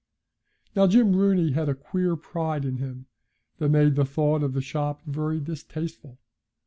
Now Jim Rooney had a queer pride in him that made the thought of the shop very distasteful.